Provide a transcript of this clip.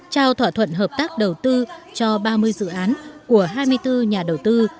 trao thỏa thuận hợp tác đầu tư cho ba mươi dự án của hai mươi bốn nhà đầu tư